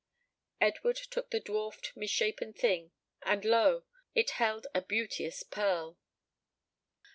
Edward took the dwarfed, misshapen thing, and lo! it held a beauteous pearl.